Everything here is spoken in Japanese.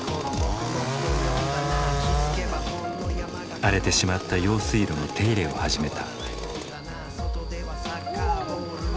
荒れてしまった用水路の手入れを始めた。